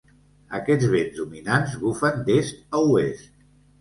Aquests vents dominants bufen d'est a oest.